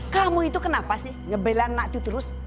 kamu itu kenapa sih ngebela anak itu terus